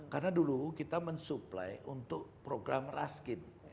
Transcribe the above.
karena dulu kita mensupply untuk program raskin